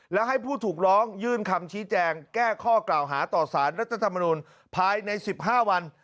และให้ผู้ถูกร้องยื่นคำชี้แจงแก้ข้อกล่าวหาต่อสารรัฐธรรมนุนภายใน๑๕วัน